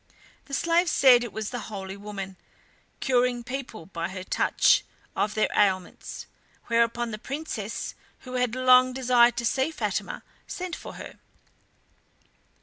The slave said it was the holy woman, curing people by her touch of their ailments, whereupon the Princess, who had long desired to see Fatima, sent for her.